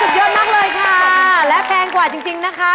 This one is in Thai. เยอะมากเลยค่ะและแพงกว่าจริงนะคะ